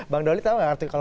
bang doli tau gak artinya